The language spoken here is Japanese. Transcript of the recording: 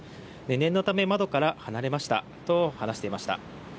念のため窓から離れましたと話していました。